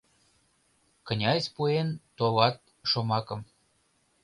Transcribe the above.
Князь пуэн товат шомакым: